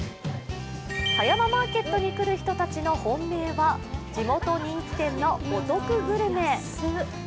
葉山マーケットに来る人たちの本命は、地元人気店のお得グルメ。